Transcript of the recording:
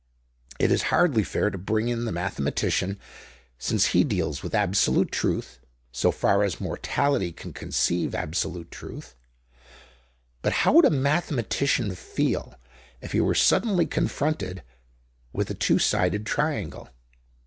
It is hardly fair to bring in the mathematician, since he deals with absolute truth (so far as mortality can conceive absolute truth); but how would a mathematician feel if he were suddenly confronted with a two sided triangle?